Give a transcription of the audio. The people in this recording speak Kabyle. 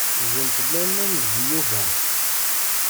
Gemt laman deg Yuba.